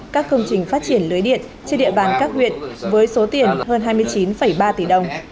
các công trình phát triển lưới điện trên địa bàn các huyện với số tiền hơn hai mươi chín ba tỷ đồng